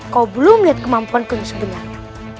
kau belum lihat kemampuanku yang sebenarnya